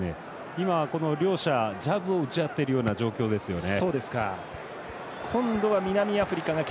今、両者ジャブを打ち合っているような状況ですよね。